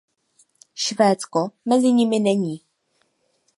Švédsko mezi nimi není.